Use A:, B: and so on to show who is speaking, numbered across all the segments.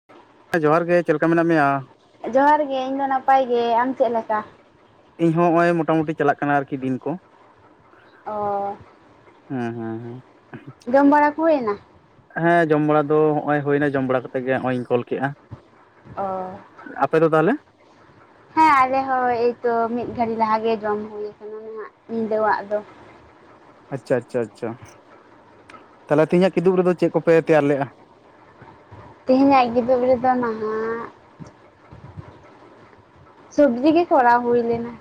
A: [unintelligible]
B: ᱦᱮᱸ ᱡᱚᱦᱟᱨ ᱜᱮ ᱪᱮᱫ ᱞᱮᱠᱟ ᱢᱮᱱᱟᱜ ᱢᱮᱭᱟ?
A: ᱡᱚᱦᱟᱨ ᱜᱮ ᱤᱧᱫᱚ ᱱᱟᱯᱟᱭ ᱜᱮ᱾ ᱟᱢ ᱪᱮᱫ ᱞᱮᱠᱟ?
B: ᱤᱧ ᱦᱚᱸ ᱱᱚᱜᱼᱚᱭ ᱢᱚᱴᱟᱢᱩᱴᱤ ᱪᱟᱞᱟᱜ ᱠᱟᱱᱟ ᱟᱨᱠᱤ ᱫᱤᱱ ᱠᱚ
A: ᱚ
B: ᱦᱩᱸ ᱦᱩᱸ ᱦᱩᱸ
A: ᱡᱚᱢ ᱵᱟᱲᱟ ᱠᱚ ᱦᱩᱭᱮᱱᱟ
B: ᱦᱮᱸ ᱡᱚᱢ ᱵᱟᱲᱟ ᱫᱚ ᱱᱚᱜᱼᱚᱭ ᱦᱩᱭᱱᱟ ᱡᱚᱢ ᱵᱟᱲᱟ ᱠᱟᱛᱮᱜ ᱜᱮ ᱱᱚᱜᱼᱚᱭ ᱤᱧ ᱠᱚᱞ ᱠᱮᱫᱟ
A: ᱚ
B: ᱟᱯᱮ ᱫᱚ ᱛᱟᱦᱚᱞᱮ?
A: ᱦᱮᱸ ᱟᱞᱮ ᱦᱚᱸ ᱮᱭᱛᱚ ᱢᱤᱫ ᱜᱷᱲᱤ ᱞᱟᱦᱟ ᱜᱮ ᱡᱚᱢ ᱦᱩᱭ ᱠᱟᱱᱟ ᱱᱟᱦᱟᱜ ᱧᱤᱫᱟᱹᱣᱟᱜ ᱫᱚ᱾
B: ᱟᱪᱪᱷᱟ ᱟᱪᱪᱷᱟ ᱟᱪᱪᱷᱟ᱾ ᱛᱟᱦᱚᱞᱮ ᱛᱮᱦᱤᱧᱟᱜ ᱠᱤᱫᱩᱵ ᱨᱮᱫᱚ ᱪᱮᱫ ᱠᱚᱯᱮ ᱛᱮᱭᱟᱨ ᱞᱮᱫᱼᱟ?
A: ᱛᱮᱦᱮᱧᱟᱜ ᱠᱤᱫᱩᱵ ᱨᱮᱫᱚ ᱱᱟᱦᱟᱜ ᱥᱚᱵᱽᱡᱤ ᱜᱮ ᱠᱷᱚᱨᱟᱣ ᱦᱩᱭ ᱞᱮᱱᱟ᱾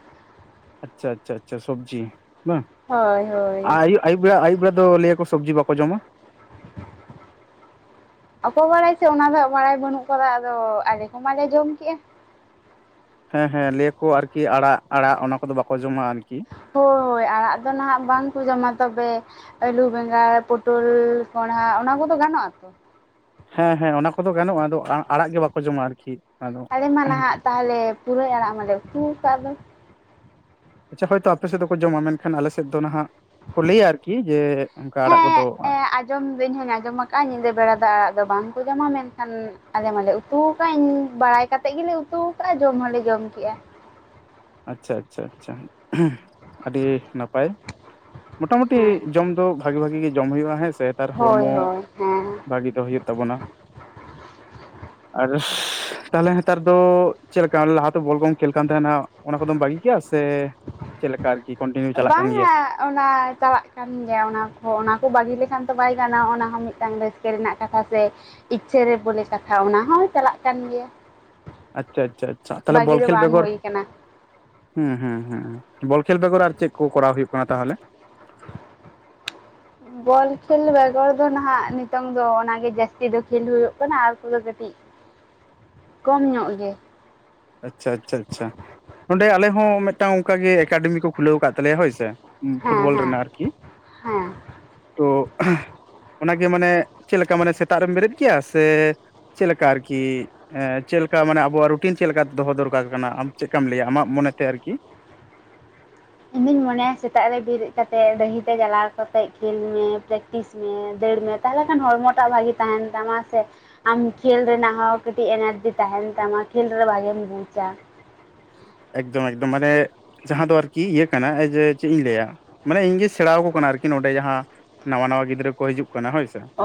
B: ᱟᱪᱪᱷᱟ ᱟᱪᱪᱷᱟ ᱟᱪᱪᱷᱟ ᱥᱚᱵᱡᱤ ᱵᱟᱝ
A: ᱦᱳᱭ ᱦᱳᱭ
B: ᱟᱭᱩᱵ ᱵᱮᱲᱟ ᱟᱭᱩᱵ ᱵᱮᱲᱟ ᱫᱚ ᱞᱟᱹᱭᱟᱠᱚ ᱥᱚᱵᱡᱤ ᱵᱟᱠᱚ ᱡᱚᱢᱟ
A: ᱚᱠᱚᱭ ᱵᱟᱲᱟᱭ ᱥᱮ ᱚᱱᱟ ᱫᱚ ᱵᱟᱲᱟᱭ ᱵᱟᱹᱱᱩᱜ ᱠᱟᱫᱟ ᱟᱫᱚ ᱟᱞᱮ ᱠᱚ ᱢᱟᱞᱮ ᱡᱚᱢ ᱠᱮᱜᱼᱟ
B: ᱦᱮᱸ ᱦᱮᱸ ᱞᱟᱹᱭ ᱟᱠᱚ ᱟᱨᱠᱤ ᱟᱲᱟᱜ ᱟᱲᱟᱜ ᱚᱱᱟ ᱠᱚᱫᱚ ᱵᱟᱠᱚ ᱡᱚᱢᱟ ᱟᱨᱠᱤ
A: ᱦᱳᱭ ᱦᱳᱭ ᱟᱲᱟᱜ ᱫᱚ ᱱᱟᱦᱟᱜ ᱵᱟᱝᱠᱚ ᱡᱚᱢᱟ ᱛᱚᱵᱮ ᱟᱹᱞᱩ ᱵᱮᱸᱜᱟᱲ ᱯᱚᱴᱚᱞ ᱠᱚᱲᱦᱟ ᱚᱱᱟ ᱠᱚᱫᱚ ᱜᱟᱱᱚᱜ-ᱟ ᱛᱚ
B: ᱦᱮᱸ ᱦᱮᱸ ᱚᱱᱟ ᱠᱚᱫᱚ ᱜᱟᱱᱚᱜᱼᱟ ᱟᱫᱚ ᱟᱲᱟᱜ ᱜᱮ ᱵᱟᱠᱚ ᱡᱚᱢᱟ ᱟᱨᱠᱤ ᱟᱫᱚ
A: ᱟᱞᱮ ᱢᱟ ᱱᱟᱦᱟᱜ ᱛᱟᱦᱚᱞᱮ ᱯᱩᱨᱟᱹᱭ ᱟᱲᱟᱜ ᱢᱟᱞᱮ ᱩᱛᱩ ᱠᱟᱫ ᱫᱚ᱾
B: ᱟᱪᱪᱷᱟ ᱦᱳᱭᱛᱚ ᱟᱯᱮ ᱥᱮᱫ ᱫᱚ ᱠᱚ ᱡᱚᱢᱟ ᱢᱮᱱᱠᱷᱟᱱ ᱟᱞᱮ ᱥᱮᱫ ᱫᱚ ᱱᱟᱦᱟᱜ ᱠᱚ ᱞᱟᱹᱭᱟ ᱟᱨᱠᱤ ᱡᱮ ᱚᱱᱠᱟ ᱟᱲᱟᱜ ᱠᱚ ᱫᱚ
A: ᱦᱮᱸ ᱮᱸ ᱟᱸᱡᱚᱢ ᱫᱚ ᱤᱧ ᱦᱟᱧ ᱟᱸᱡᱚᱢ ᱟᱠᱟᱜᱼᱟ ᱧᱤᱫᱟᱹ ᱵᱮᱲᱟ ᱫᱚ ᱟᱲᱟᱜ ᱫᱚ ᱵᱟᱝᱠᱚ ᱡᱚᱢᱟ ᱢᱮᱱᱠᱷᱟᱱ ᱟᱞᱮ ᱢᱟᱞᱮ ᱩᱛᱩ ᱠᱟᱫ ᱤᱧ ᱵᱟᱲᱟᱭ ᱠᱟᱛᱮᱫ ᱜᱮᱞᱮ ᱩᱛᱩ ᱠᱟᱜᱼᱟ ᱡᱚᱢ ᱦᱚᱸᱞᱮ ᱡᱚᱢ ᱠᱮᱜᱼᱟ
B: ᱟᱪᱪᱷᱟ ᱟᱪᱪᱷᱟ ᱟᱪᱪᱷᱟ᱾ ᱟᱰᱤ ᱱᱟᱯᱟᱭ ᱢᱚᱴᱟᱢᱩᱴᱤ
A: ᱦᱮᱸ
B: ᱡᱚᱢ ᱫᱚ ᱵᱷᱟᱹᱜᱤ ᱵᱷᱟᱜᱤ ᱜᱮ ᱡᱚᱢ ᱦᱩᱭᱩᱜᱼᱟ ᱦᱮᱸ ᱥᱮ ᱱᱮᱛᱟᱨ
A: ᱦᱳᱭ
B: ᱦᱚᱲᱢᱚ
A: ᱦᱳᱭ ᱦᱮᱸ
B: ᱵᱷᱟᱹᱜᱤ ᱫᱚᱦᱚᱭ ᱦᱩᱭᱩᱜ ᱛᱟᱵᱚᱱᱟ᱾ ᱟᱨ ᱛᱟᱦᱚᱞᱮ ᱦᱮᱛᱟᱨ ᱫᱚ ᱪᱮᱫ ᱞᱮᱠᱟ ᱞᱟᱦᱟᱛᱮ ᱵᱚᱞ ᱠᱚᱢ ᱠᱷᱮᱞ ᱠᱟᱱ ᱛᱟᱦᱮᱱᱟ ᱚᱱᱟ ᱠᱚᱫᱚᱢ ᱵᱟᱜᱤ ᱠᱮᱜ-ᱟ ᱥᱮ ᱪᱮᱫ ᱞᱮᱠᱟ ᱟᱨᱠᱤ ᱠᱚᱱᱴᱤᱱᱤᱭᱩ ᱪᱟᱞᱟᱜ ᱠᱟᱱ ᱜᱮᱭᱟ?
A: ᱵᱟᱝᱟ ᱚᱱᱟ ᱪᱟᱞᱟᱜ ᱠᱟᱱ ᱜᱮᱭᱟ, ᱚᱱᱟ ᱠᱚ ᱚᱱᱟ ᱠᱚ ᱵᱟᱜᱤ ᱞᱮᱠᱷᱟᱱ ᱫᱚ ᱵᱟᱭ ᱜᱟᱱᱚᱜᱼᱟ ᱚᱱᱟ ᱦᱚᱸ ᱢᱤᱫᱴᱟᱝ ᱨᱟᱹᱥ ᱠᱮ ᱨᱮᱱᱟᱜ ᱠᱟᱛᱷᱟ ᱥᱮ ᱤᱪᱪᱷᱟᱹ ᱨᱮ ᱵᱚᱞᱮ ᱠᱟᱛᱷᱟ ᱚᱱᱟ ᱦᱚᱸ ᱪᱟᱞᱟᱜ ᱠᱟᱱ ᱜᱮᱭᱟ᱾
B: ᱟᱪᱪᱷᱟ ᱟᱪᱪᱷᱟ ᱟᱪᱪᱷᱟ᱾ ᱛᱟᱦᱚᱞᱮ
A: ᱵᱟᱹᱜᱤ
B: ᱵᱚᱞ
A: ᱫᱚ
B: ᱠᱷᱮᱞ
A: ᱵᱟᱝ
B: ᱵᱮᱜᱚᱨ
A: ᱦᱩᱭ ᱠᱟᱱᱟ
B: ᱦᱩᱸ ᱦᱩᱸ ᱦᱩᱸ᱾ᱵᱚᱞ ᱠᱷᱮᱞ ᱵᱮᱜᱚᱨ ᱟᱨ ᱪᱮᱫ ᱠᱚ ᱠᱚᱨᱟᱣ ᱦᱩᱭᱩᱜ ᱠᱟᱱᱟ ᱛᱟᱦᱚᱞᱮ? [inaudible]
A: ᱵᱚᱞ ᱠᱷᱮᱞ ᱵᱮᱜᱚᱨ ᱫᱚ ᱱᱟᱦᱟᱜ ᱱᱤᱛᱚᱝ ᱫᱚ ᱚᱱᱟᱜᱮ ᱡᱟᱹᱥᱛᱤ ᱫᱚ ᱠᱷᱮᱞ ᱦᱩᱭᱩᱜ ᱠᱟᱱᱟ ᱟᱨ ᱠᱚᱫᱚ ᱠᱟᱹᱴᱤᱡ
B: [inaudible]
A: ᱠᱚᱢ ᱧᱚᱜ ᱜᱮ
B: ᱟᱪᱪᱷᱟ ᱟᱪᱪᱷᱟ ᱟᱪᱪᱷᱟ᱾ ᱱᱚᱰᱮ ᱟᱞᱮ ᱦᱚᱸ ᱢᱤᱫᱴᱟᱝ ᱚᱱᱠᱟᱜᱮ ᱮᱠᱟᱰᱮᱢᱤ ᱠᱚ ᱠᱷᱩᱞᱟᱹᱣ ᱠᱟᱫ ᱛᱟᱞᱮᱭᱟ ᱦᱳᱭ ᱥᱮ᱾
A: ᱦᱮᱸ
B: ᱯᱷᱩᱴᱵᱚᱞ
A: ᱦᱮᱸ
B: ᱨᱮᱱᱟᱜ ᱟᱨᱠᱤ
A: ᱦᱮᱸ
B: ᱛᱚ ᱚᱱᱟᱜᱮ ᱢᱟᱱᱮ ᱪᱮᱫ ᱞᱮᱠᱟ ᱢᱟᱱᱮ ᱥᱮᱛᱟᱜ ᱨᱮᱢ ᱵᱮᱨᱮᱫ ᱜᱮᱭᱟ ᱥᱮ ᱪᱮᱫ ᱞᱮᱠᱟ ᱟᱨᱠᱤ ᱪᱮᱫ ᱞᱮᱠᱟ ᱢᱟᱱᱮ ᱟᱵᱚᱣᱟᱜ ᱨᱩᱴᱤᱱ ᱪᱮᱫ ᱞᱮᱠᱟ ᱛᱮ ᱫᱚᱦᱚ ᱫᱚᱨᱠᱟᱨ ᱠᱟᱱᱟ ᱟᱢ ᱪᱮᱫ ᱞᱮᱠᱟᱢ ᱞᱟᱹᱭᱟ ᱟᱢᱟᱜ ᱢᱚᱱᱮ ᱛᱮ ᱟᱨᱠᱤ
A: ᱤᱧ ᱫᱩᱧ ᱢᱚᱱᱮᱭᱟ ᱥᱮᱛᱟᱜ ᱨᱮ ᱵᱮᱨᱮᱫ ᱠᱟᱛᱮ ᱰᱟᱹᱦᱤ ᱛᱮ ᱪᱟᱞᱟᱣ ᱠᱟᱛᱮᱫ ᱠᱷᱮᱞ ᱢᱮ ᱯᱨᱮ ᱯᱮᱠᱴᱤᱥ ᱢᱮ ᱫᱟᱹᱲ ᱢᱮ ᱛᱟᱦᱚᱞᱮ ᱠᱷᱟᱱ ᱦᱚᱲᱢᱚ ᱴᱟᱜ ᱵᱷᱟᱜᱤ ᱛᱟᱦᱮᱱ ᱛᱟᱢᱟ ᱥᱮ ᱟᱢ ᱠᱷᱮᱞ ᱨᱮᱱᱟᱜ ᱦᱚᱸ ᱠᱟᱹᱴᱤᱡ ᱮᱱᱟᱨᱡᱤ ᱛᱟᱦᱮᱱ ᱛᱟᱢᱟ ᱠᱷᱮᱞ ᱨᱮᱦᱚᱸ ᱵᱷᱟᱜᱤᱢ ᱵᱩᱡᱟ
B: ᱮᱠᱫᱚᱢ ᱮᱠᱫᱚᱢ ᱢᱟᱱᱮ ᱡᱟᱦᱟᱸ ᱫᱚ ᱟᱨᱠᱤ ᱤᱭᱟᱹ ᱠᱟᱱᱟ ᱡᱮ ᱪᱮᱫ ᱤᱧ ᱞᱟᱹᱭᱟ ᱢᱟᱱᱮ ᱤᱧᱜᱮ ᱥᱮᱬᱟ ᱟᱠᱚ ᱠᱟᱱᱟ ᱟᱨᱠᱤ ᱱᱚᱰᱮ ᱡᱟᱦᱟᱸ ᱱᱟᱣᱟ ᱱᱟᱣᱟ ᱜᱤᱫᱽᱨᱟᱹ ᱠᱚ ᱦᱤᱡᱩᱜ ᱠᱟᱱᱟ ᱦᱳᱭ ᱥᱮ
A: ᱚ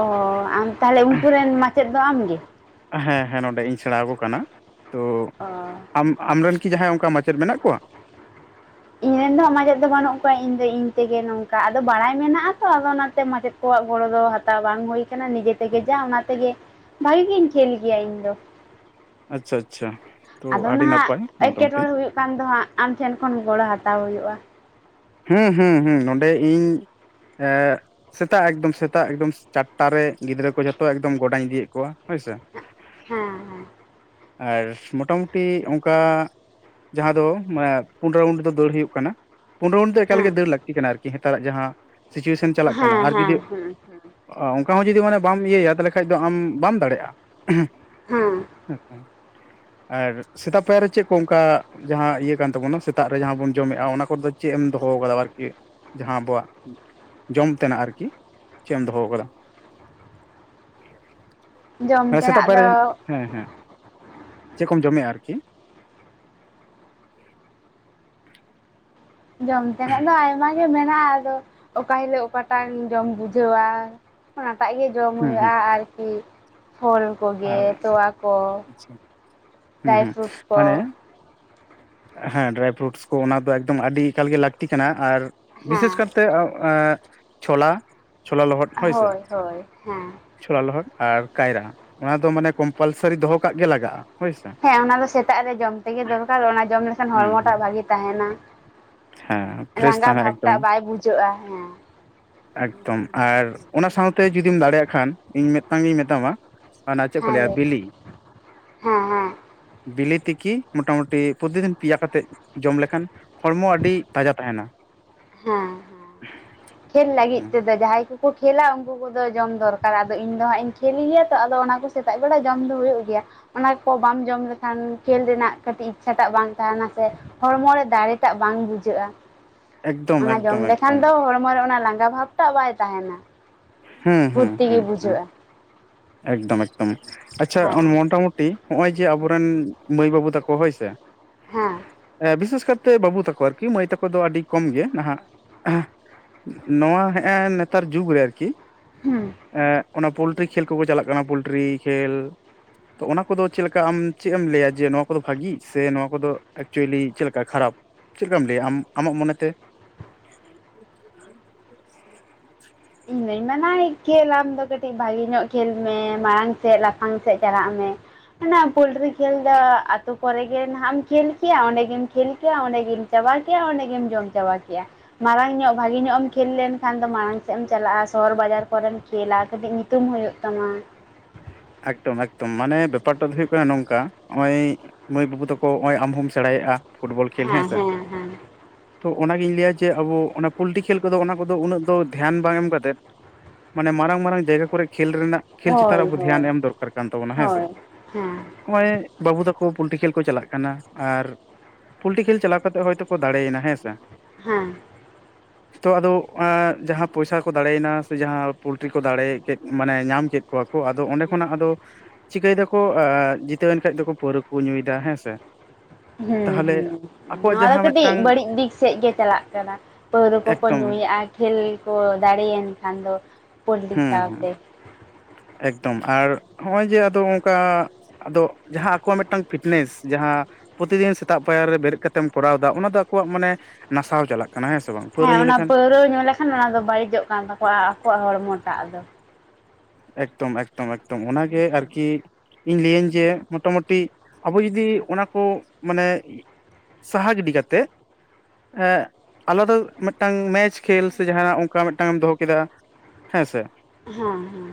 A: ᱟᱢ ᱛᱟᱦᱚᱞᱮ ᱩᱱᱠᱩ ᱨᱮᱱ ᱢᱟᱪᱮᱫ ᱫᱚ ᱟᱢᱜᱮ
B: ᱦᱮᱸ ᱦᱮᱸ ᱱᱚᱸᱰᱮ ᱤᱧ ᱥᱮᱬᱟ ᱟᱠᱚ ᱠᱟᱱᱟ ᱛᱚ
A: ᱚ
B: ᱟᱢ ᱟᱢᱨᱮᱱ ᱠᱤ ᱡᱟᱦᱟᱸᱭ ᱚᱱᱠᱟ ᱢᱟᱪᱮᱫ ᱢᱮᱱᱟᱜ ᱠᱚᱣᱟ?
A: ᱤᱧᱨᱮᱱ ᱫᱚ ᱢᱟᱪᱮᱫ ᱫᱚ ᱵᱟᱱᱩᱜ ᱠᱚᱣᱟ ᱤᱧ ᱫᱚ ᱤᱧ ᱛᱮᱜᱮ ᱱᱚᱝᱠᱟ ᱟᱫᱚ ᱵᱟᱲᱟᱭ ᱢᱮᱱᱟᱜ ᱛᱚ ᱟᱫᱚ ᱚᱱᱟᱛᱮ ᱢᱟᱪᱮᱫ ᱟᱠᱚᱣᱟᱜ ᱜᱚᱲᱚ ᱫᱚ ᱦᱟᱛᱟᱣ ᱵᱟᱝ ᱦᱩᱭ ᱠᱟᱱᱟ ᱱᱤᱡᱮ ᱛᱮᱜᱮ ᱡᱟ ᱚᱱᱟ ᱛᱮᱜᱮ ᱵᱷᱟᱜᱤ ᱜᱤᱧ ᱠᱷᱮᱞ ᱜᱮᱭᱟ ᱤᱧ ᱫᱚ᱾
B: ᱟᱪᱪᱷᱟ ᱟᱪᱪᱷᱟ ᱛᱚ
A: ᱟᱫᱚ
B: ᱟᱹᱰᱤ
A: ᱱᱟᱦᱟᱜ
B: ᱱᱟᱯᱟᱭ ᱢᱚᱴᱟᱢᱩᱴᱤ
A: ᱮᱴᱠᱮᱴᱚᱬᱮ ᱦᱩᱭᱩᱜ ᱠᱟᱱ ᱫᱚ ᱦᱟᱸᱜ ᱟᱢ ᱴᱷᱮᱱ ᱠᱷᱚᱱ ᱜᱚᱲᱚ ᱦᱟᱛᱟᱣ ᱦᱩᱭᱩᱜ-ᱟ
B: ᱦᱩᱸ ᱦᱩᱸ ᱦᱩᱸ ᱱᱚᱸᱰᱮ ᱤᱧ ᱮ ᱥᱮᱛᱟᱜ ᱮᱠᱫᱚᱢ ᱥᱮᱛᱟᱜ ᱮᱠᱫᱚᱢ ᱪᱟᱴᱴᱟ ᱨᱮ ᱜᱤᱫᱽᱨᱟᱹ ᱠᱚ ᱡᱷᱚᱛᱚ ᱮᱠᱫᱚᱢ ᱜᱚᱰᱟᱧ ᱤᱫᱤᱭᱮᱫ ᱠᱚᱣᱟ ᱦᱳᱭ ᱥᱮ
A: ᱦᱮᱸ ᱦᱮᱸ
B: ᱟᱨ ᱢᱚᱴᱟᱢᱩᱴᱤ ᱚᱱᱠᱟ ᱡᱟᱦᱟᱸ ᱫᱚ ᱢᱟᱱᱮ ᱯᱩᱱ ᱨᱟᱣᱩᱱᱰ ᱨᱮᱫᱚ ᱫᱟᱹᱲ ᱦᱩᱭᱩᱜ ᱠᱟᱱᱟ ᱯᱳᱱ ᱨᱟᱣᱩᱱᱰ ᱫᱚ ᱮᱠᱟᱞ ᱜᱮ
A: ᱦᱮᱸ
B: ᱫᱟᱹᱲ ᱞᱟᱹᱠᱛᱤ ᱠᱟᱱᱟ ᱟᱨᱠᱤ ᱱᱮᱛᱟᱨᱟᱜ ᱡᱟᱦᱟᱸ ᱥᱤᱪᱩᱭᱮᱥᱚᱱ ᱪᱟᱞᱟᱜ ᱠᱟᱱᱟ
A: ᱦᱮᱸ
B: ᱟᱨ ᱡᱩᱫᱤ
A: ᱦᱮᱸ ᱦᱮᱸ
B: ᱚ ᱚᱱᱠᱟ ᱦᱚᱸ ᱡᱩᱫᱤ ᱢᱟᱱᱮ ᱵᱟᱢ ᱤᱭᱟᱹᱭᱟ ᱛᱟᱦᱚᱞᱮ ᱠᱷᱟᱱ ᱫᱚ ᱟᱢ ᱵᱟᱢ ᱫᱟᱲᱮᱜ-ᱟ
A: ᱦᱮᱸ
B: ᱟᱨ ᱥᱮᱛᱟᱜ ᱯᱟᱭᱟᱨ ᱨᱮ ᱪᱮᱫ ᱠᱚ ᱚᱱᱠᱟ ᱡᱟᱦᱟᱸ ᱤᱭᱟᱹ ᱠᱟᱱ ᱛᱟᱵᱚᱱᱟ ᱥᱮᱛᱟᱜ ᱨᱮ ᱡᱟᱦᱟᱸ ᱵᱚᱱ ᱡᱚᱢᱮᱫ-ᱟ ᱚᱱᱟ ᱠᱚᱨᱮ ᱫᱚ ᱪᱮᱫ ᱮᱢ ᱫᱚᱦᱚ ᱟᱠᱟᱫᱟ ᱟᱨᱠᱤ ᱡᱟᱦᱟᱸ ᱟᱵᱚᱣᱟᱜ ᱡᱚᱢ ᱛᱮᱱᱟᱜ ᱟᱨᱠᱤ ᱪᱮᱫ ᱮᱢ ᱫᱚᱦᱚᱣᱟᱠᱟᱫᱟ
A: ᱡᱚᱢ
B: ᱦᱮᱸ ᱥᱮᱛᱟᱜ
A: ᱛᱮᱱᱟᱜ
B: ᱯᱟᱭᱟᱨᱮ
A: ᱫᱚ
B: ᱦᱮᱸ ᱦᱮᱸ ᱪᱮᱫ ᱠᱚᱢ ᱡᱚᱢᱮᱜ-ᱟ ᱟᱨᱠᱤ
A: ᱡᱚᱢ ᱛᱮᱱᱟᱜ ᱫᱚ ᱟᱭᱢᱟ ᱢᱮᱱᱟᱜ-ᱟ ᱟᱫᱚ ᱚᱠᱟ ᱦᱤᱞᱳᱜ ᱚᱠᱟᱴᱟᱜ ᱡᱚᱢ ᱵᱩᱡᱷᱟᱹᱣᱟ ᱚᱱᱟᱴᱟᱜ ᱜᱮ ᱡᱚᱢ
B: ᱦᱩᱸ ᱦᱩᱸ
A: ᱦᱩᱭᱩᱜ-ᱟ ᱟᱨᱠᱤ ᱯᱷᱚᱞ ᱠᱚᱜᱮ
B: ᱟᱨ
A: ᱛᱚᱣᱟ ᱠᱚ
B: ᱟᱪᱪᱷᱟ ᱦᱩᱸ
A: ᱰᱨᱟᱭ
B: ᱦᱩᱸ
A: ᱯᱷᱨᱩᱴᱥ ᱠᱚ
B: ᱢᱟᱱᱮ ᱦᱮᱸ ᱰᱨᱟᱭ ᱯᱷᱨᱩᱴᱥ ᱠᱚ ᱚᱱᱟ ᱫᱚ ᱮᱠᱫᱚᱢ ᱟᱹᱰᱤ ᱮᱠᱟᱞᱜᱮ ᱞᱟᱹᱠᱛᱤ ᱠᱟᱱᱟ ᱟᱨ ᱵᱤᱥᱮᱥ
A: ᱦᱮᱸ
B: ᱠᱟᱨᱛᱮ ᱛᱮ ᱪᱷᱳᱞᱟ ᱪᱷᱳᱞᱟ ᱞᱚᱦᱚᱫ ᱦᱳᱭ ᱥᱮ
A: ᱦᱳᱭ ᱦᱮᱸ
B: ᱪᱷᱳᱞᱟ ᱞᱚᱦᱚᱫ ᱟᱨ ᱠᱟᱭᱨᱟ ᱚᱱᱟ ᱫᱚ ᱢᱟᱱᱮ ᱠᱚᱢᱯᱟᱞᱥᱟᱨᱤ ᱫᱚᱦᱚ ᱠᱟᱜ ᱜᱮ ᱞᱟᱜᱟᱜ-ᱟ ᱦᱳᱭ ᱥᱮ
A: ᱦᱮᱸ ᱚᱱᱟ ᱫᱚ ᱥᱮᱛᱟᱜ ᱨᱮ ᱡᱚᱢ ᱛᱮᱜᱮ ᱫᱚᱨᱠᱟᱨ ᱚᱱᱟ ᱡᱚᱢ ᱞᱮᱠᱷᱟᱱ
B: ᱦᱩᱸ ᱦᱩᱸ
A: ᱦᱚᱲᱢᱚᱴᱟᱜ ᱵᱷᱟᱹᱜᱤ ᱛᱟᱦᱮᱸᱱᱟ
B: ᱦᱮᱸ ᱯᱷᱨᱮᱥ
A: ᱞᱟᱸᱜᱟ
B: ᱛᱟᱦᱮᱱᱟ ᱮᱠᱫᱚᱢ
A: ᱵᱷᱟᱵᱽᱴᱟᱜ ᱵᱟᱭ ᱵᱩᱡᱷᱟᱹᱜ-ᱟ ᱦᱮᱸ
B: ᱮᱠᱫᱚᱢ ᱟᱨ ᱚᱱᱟ ᱥᱟᱶᱛᱮ ᱡᱩᱫᱤᱢ ᱫᱟᱲᱮᱭᱟᱜ ᱠᱷᱟᱱ ᱤᱧ ᱢᱤᱫᱴᱟᱝ ᱜᱤᱧ ᱢᱮᱛᱟᱢᱟ ᱚᱱᱟ ᱪᱮᱫ ᱠᱚ
A: ᱦᱮᱸ
B: ᱞᱮᱭᱟ
A: ᱞᱟᱹᱭ
B: ᱵᱤᱞᱤ
A: ᱦᱮᱸ ᱦᱮᱸ
B: ᱵᱤᱞᱮ ᱛᱤᱠᱤ ᱢᱚᱴᱟᱢᱩᱴᱤ ᱯᱨᱚᱛᱤᱫᱤᱱ ᱯᱮᱭᱟ ᱠᱟᱛᱮᱫ ᱡᱚᱢ ᱞᱮᱠᱷᱟᱱ ᱦᱚᱲᱢᱚ ᱟᱹᱰᱤ ᱛᱟᱡᱟ ᱛᱟᱦᱮᱸᱱᱟ
A: ᱦᱮᱸ ᱠᱷᱮᱞ ᱞᱟᱹᱜᱤᱫ
B: ᱦᱩᱸ
A: ᱛᱮᱫᱚ ᱡᱟᱦᱟᱸᱭ ᱠᱚ ᱠᱚ ᱠᱷᱮᱞᱟ ᱩᱱᱠᱩ ᱠᱚᱫᱚ ᱡᱚᱢ ᱫᱚᱨᱠᱟᱨ ᱟᱫᱚ ᱤᱧ ᱫᱚ ᱦᱟᱸᱜ ᱤᱧ ᱠᱷᱮᱞ ᱜᱮᱭᱟ ᱛᱚ ᱟᱫᱚ ᱚᱱᱟ ᱠᱚ ᱥᱮᱛᱟᱜ ᱵᱮᱲᱟ ᱡᱚᱢ ᱫᱚ ᱦᱩᱭᱩᱜ ᱜᱮᱭᱟ ᱚᱱᱟ ᱠᱚ ᱵᱟᱢ ᱡᱚᱢ ᱞᱮᱠᱷᱟᱱ ᱠᱷᱮᱞ ᱨᱮᱱᱟᱜ ᱠᱟᱹᱴᱤᱡ ᱤᱪᱪᱷᱟᱴᱟᱜ ᱵᱟᱝ ᱛᱟᱦᱮᱸᱱᱟ ᱥᱮ ᱦᱚᱲᱢᱚ ᱨᱮ ᱫᱟᱲᱮᱴᱟᱜ ᱵᱟᱝ ᱵᱩᱡᱷᱟᱹᱜ-ᱟ
B: ᱮᱠᱫᱚᱢ
A: ᱚᱱᱟ ᱡᱚᱢ
B: ᱮᱠᱫᱚᱢ
A: ᱞᱮᱠᱷᱟᱱ
B: ᱮᱠᱫᱚᱢ
A: ᱫᱚ ᱦᱚᱲᱢᱚ ᱨᱮ ᱚᱱᱟ ᱞᱟᱸᱜᱟ ᱵᱷᱟᱵᱴᱟᱜ ᱵᱟᱭ ᱛᱟᱦᱮᱸᱱᱟ
B: ᱦᱮᱸ ᱦᱮᱸ
A: ᱯᱷᱩᱨᱛᱤ ᱜᱮ
B: ᱦᱮᱸ ᱦᱮᱸ
A: ᱵᱩᱡᱷᱟᱹᱜ-ᱟ
B: ᱮᱠᱫᱚᱢ ᱮᱠᱫᱚᱢ ᱟᱪᱪᱷᱟ
A: ᱦᱮᱸ
B: ᱢᱚᱴᱟᱢᱩᱴᱤ ᱱᱚᱜᱼᱚᱭ ᱡᱮ ᱟᱵᱚᱨᱮᱱ ᱢᱟᱹᱭ ᱵᱟᱹᱵᱩ ᱛᱟᱠᱚ ᱦᱳᱭ ᱥᱮ
A: ᱦᱮᱸ
B: ᱵᱤᱥᱮᱥ ᱠᱟᱭᱛᱮ ᱵᱟᱹᱵᱩ ᱛᱟᱠᱚ ᱟᱨᱠᱤ ᱢᱟᱹᱭ ᱛᱟᱠᱚ ᱫᱚ ᱟᱹᱰᱤ ᱠᱚᱢ ᱜᱮ ᱱᱟᱦᱟᱜ ᱱᱚᱣᱟ ᱦᱮᱜᱼᱮ ᱱᱮᱛᱟᱨ ᱡᱩᱜᱽ ᱨᱮ ᱟᱨᱠᱤ
A: ᱦᱩᱸ
B: ᱚᱱᱟ ᱯᱚᱞᱴᱨᱤ ᱠᱷᱮᱞ ᱠᱚᱜᱮ ᱪᱟᱞᱟᱜ ᱠᱟᱱᱟ ᱯᱚᱞᱴᱨᱤ ᱠᱷᱮᱞ ᱛᱚ ᱚᱱᱟ ᱠᱚᱫᱚ ᱪᱮᱫ ᱞᱮᱠᱟ ᱟᱢ ᱪᱮᱫ ᱮᱢ ᱞᱟᱹᱭᱟ ᱡᱮ ᱱᱚᱣᱟ ᱠᱚᱫᱚ ᱵᱷᱟᱜᱤ ᱥᱮ ᱱᱚᱣᱟ ᱠᱚᱫᱚ ᱮᱠᱪᱩᱭᱮᱞᱤ ᱪᱮᱫ ᱞᱮᱠᱟ ᱠᱷᱟᱨᱟᱯ ᱪᱮᱫ ᱞᱮᱠᱟᱢ ᱞᱟᱹᱭᱟ ᱟᱢ ᱟᱢᱟᱜ ᱢᱚᱱᱮ ᱛᱮ
A: ᱤᱧ ᱫᱩᱧ ᱢᱮᱱᱟ ᱠᱷᱮᱞ ᱟᱢ ᱫᱚ ᱠᱟᱹᱴᱤᱡ ᱵᱷᱟᱞᱮ ᱧᱚᱜ ᱠᱷᱮᱞ ᱢᱮ ᱢᱟᱲᱟᱝ ᱥᱮᱫ ᱞᱟᱯᱷᱟᱝ ᱥᱮᱫ ᱪᱟᱞᱟᱜ ᱢᱮ᱾ ᱯᱚᱞᱴᱨᱤ ᱠᱷᱮᱞ ᱫᱚ ᱟᱛᱳ ᱠᱚᱨᱮ ᱜᱮ ᱱᱟᱦᱟᱜ ᱮᱢ ᱠᱷᱮᱞ ᱠᱮᱭᱟ ᱚᱸᱰᱮ ᱜᱮᱢ ᱠᱷᱮᱞ ᱠᱮᱭᱟ ᱚᱸᱰᱮ ᱜᱮᱢ ᱪᱟᱵᱟ ᱠᱮᱜᱼᱟ ᱚᱸᱰᱮ ᱜᱮᱢ ᱡᱚᱢ ᱪᱟᱵᱟ ᱠᱮᱜᱼᱟ ᱢᱟᱲᱟᱝ ᱧᱚᱜ ᱵᱷᱟᱹᱜᱤ ᱧᱚᱜ ᱮᱢ ᱠᱷᱮᱞ ᱞᱮᱱᱠᱷᱟᱱ ᱫᱚ ᱢᱟᱲᱟᱝ ᱥᱮᱫ ᱮᱢ ᱪᱟᱞᱟᱜᱼᱟ ᱥᱚᱦᱚᱨ ᱵᱟᱡᱟᱨ ᱠᱚᱨᱮᱢ ᱠᱷᱮᱞᱟ ᱠᱟᱹᱴᱤᱡ ᱧᱩᱛᱩᱢ ᱦᱩᱭᱩᱜ ᱛᱟᱢᱟ
B: ᱮᱠᱫᱚᱢ ᱮᱠᱫᱚᱢ ᱢᱟᱱᱮ ᱵᱮᱯᱟᱨ ᱴᱟᱜ ᱫᱚ ᱦᱩᱭᱩᱜ ᱠᱟᱱᱟ ᱱᱚᱝᱠᱟ ᱱᱚᱜᱼᱚᱭ ᱢᱟᱹᱭ ᱵᱟᱹᱵᱩ ᱛᱟᱠᱚ ᱱᱚᱜᱼᱚᱭ ᱟᱢ ᱦᱚᱢ ᱥᱮᱬᱟᱭᱮᱜᱼᱟ ᱯᱷᱩᱴᱵᱚᱞ ᱠᱷᱮᱞ ᱦᱮᱸ ᱥᱮ ᱛᱚ ᱚᱱᱟᱜᱤᱧ ᱞᱟᱹᱭᱟ ᱡᱮ ᱟᱵᱚ ᱚᱱᱟ ᱯᱩᱞᱴᱤ ᱠᱷᱮᱞ ᱠᱚᱫᱚ ᱚᱱᱟ ᱠᱚᱫᱚ ᱩᱱᱟᱹᱜ ᱫᱚ ᱫᱷᱮᱭᱟᱱ ᱵᱟᱝ ᱮᱢ ᱠᱟᱛᱮᱫ ᱢᱟᱱᱮ ᱢᱟᱨᱟᱝ ᱢᱟᱨᱟᱝ ᱡᱟᱭᱜᱟ ᱠᱚᱨᱮ ᱠᱷᱮᱞ ᱨᱮᱱᱟᱜ ᱠᱷᱮᱞ ᱪᱮᱛᱟᱱ ᱨᱮ
A: ᱦᱳᱭ
B: ᱟᱵᱚ ᱫᱷᱮᱭᱟᱱ
A: ᱦᱳᱭ
B: ᱮᱢ ᱫᱚᱨᱠᱟᱨ ᱠᱟᱱ ᱛᱟᱵᱚᱱᱟ ᱦᱮᱸ ᱥᱮ
A: ᱦᱳᱭ ᱦᱮᱸ
B: ᱱᱚᱜᱼᱚᱭ ᱵᱟᱹᱵᱩ ᱛᱟᱠᱚ ᱯᱚᱞᱴᱤ ᱠᱷᱮᱞ ᱠᱚ ᱪᱟᱞᱟᱜ ᱠᱟᱱᱟ ᱟᱨ ᱯᱩᱞᱴᱤ ᱠᱷᱮᱞ ᱪᱟᱞᱟᱣ ᱠᱟᱛᱮ ᱦᱚᱭᱛᱳ ᱠᱚ ᱫᱟᱲᱮᱭᱱᱟ ᱦᱮᱸ ᱥᱮ᱾
A: ᱦᱮᱸ
B: [inaudible] ᱛᱚ ᱟᱫᱚ ᱡᱟᱦᱟᱸ ᱯᱚᱭᱥᱟ ᱠᱚ ᱫᱟᱲᱮᱭᱱᱟ ᱥᱮ ᱡᱟᱦᱟᱸ ᱯᱚᱞᱴᱨᱤ ᱠᱚ ᱫᱟᱲᱮ ᱠᱮᱫ ᱢᱟᱱᱮ ᱧᱟᱢ ᱠᱮᱫ ᱠᱚᱣᱟ ᱠᱚᱺ ᱟᱫᱚ ᱚᱸᱰᱮ ᱠᱷᱚᱱᱟᱜ ᱟᱫᱚ ᱪᱤᱠᱟᱹᱭ ᱫᱟᱠᱚ ᱡᱤᱛᱟᱹᱣᱮᱱ ᱠᱷᱟᱡ ᱫᱚᱠᱚ ᱯᱟᱹᱣᱨᱟᱹ ᱠᱚ ᱧᱩᱭᱫᱟ ᱦᱮᱸ ᱥᱮ᱾
A: ᱦᱮᱸ
B: ᱛᱟᱦᱚᱞᱮ
A: ᱦᱮᱸ
B: ᱟᱠᱚᱣᱟᱜ
A: ᱱᱚᱣᱟ ᱫᱚ
B: ᱡᱟᱦᱟᱸ
A: ᱠᱟᱹᱴᱤᱡ
B: ᱢᱤᱫᱴᱟᱝ
A: ᱵᱟᱹᱲᱤᱡ ᱫᱤᱠ ᱥᱮᱫ ᱜᱮ ᱪᱟᱞᱟᱜ ᱠᱟᱱᱟ ᱯᱟᱹᱣᱨᱟᱹ ᱠᱚᱠᱚ
B: ᱮᱠᱫᱚᱢ
A: ᱧᱩᱭᱮᱜᱼᱟ᱾ ᱠᱷᱮᱞ ᱠᱚ ᱫᱟᱲᱮᱭᱮᱱ ᱠᱷᱟᱱ ᱫᱚ ᱯᱳᱞᱴᱤ
B: ᱦᱩᱸ ᱦᱩᱸ
A: ᱥᱟᱶᱛᱮ
B: ᱮᱠᱫᱚᱢ ᱟᱨ ᱱᱚᱜᱼᱚᱭ ᱡᱮ ᱟᱫᱚ ᱚᱱᱠᱟ ᱟᱫᱚ ᱡᱟᱦᱟᱸ ᱟᱠᱚᱣᱟᱜ ᱢᱤᱫᱴᱟᱝ ᱯᱷᱤᱴᱱᱮᱥ ᱡᱟᱦᱟᱸ ᱯᱨᱚᱛᱤᱫᱤᱱ ᱥᱮᱛᱟᱜ ᱯᱟᱭᱟᱨ ᱨᱮ ᱵᱮᱨᱮᱫ ᱠᱟᱛᱮᱢ ᱠᱚᱨᱟᱣ ᱮᱫᱟ ᱚᱱᱟ ᱫᱚ ᱟᱠᱚᱣᱟᱜ ᱢᱟᱱᱮ ᱱᱟᱥᱟᱣ ᱪᱟᱞᱟᱜ ᱠᱟᱱᱟ ᱦᱮᱸ ᱥᱮ ᱵᱟᱝ ᱯᱟᱹᱣᱨᱟᱹ
A: ᱦᱮᱸ
B: ᱧᱩ
A: ᱚᱱᱟ
B: ᱞᱮᱠᱷᱟᱱ
A: ᱯᱟᱹᱣᱨᱟᱹ ᱧᱩ ᱞᱮᱠᱷᱟᱱ ᱚᱱᱟ ᱫᱚ ᱵᱟᱹᱲᱤᱡᱚᱜ ᱠᱟᱱ ᱛᱟᱠᱚᱣᱟ ᱟᱠᱚᱣᱟᱜ ᱦᱚᱲᱢᱚ ᱴᱟᱜ ᱫᱚ
B: ᱮᱠᱫᱚᱢ ᱮᱠᱫᱚᱢ ᱮᱠᱫᱚᱢ ᱚᱱᱟᱜᱮ ᱟᱨᱠᱤ, ᱤᱧ ᱞᱟᱹᱭᱟᱹᱧ ᱡᱮ ᱢᱳᱚᱴᱟᱢᱳᱴᱤ ᱟᱵᱚ ᱡᱩᱫᱤ ᱚᱱᱟ ᱠᱚ ᱢᱟᱱᱮ ᱥᱟᱦᱟ ᱜᱤᱰᱤ ᱠᱟᱛᱮ ᱟᱞᱟᱫᱟ ᱢᱮᱫᱴᱟᱝ ᱢᱮᱪ ᱠᱷᱮᱞ ᱥᱮ ᱡᱟᱦᱟᱸᱱᱟᱜ ᱚᱱᱠᱟ ᱢᱮᱫᱴᱟᱝ ᱮᱢ ᱫᱚᱦᱚ ᱠᱮᱫᱟ᱾ ᱦᱮᱸ ᱥᱮ
A: ᱦᱮᱸ ᱦᱮᱸ